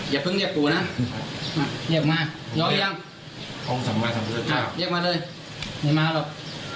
อย่าเพิ่งเรียกกูนะเรียกมายอมหรือยังเรียกมาเลยไม่มาหรอก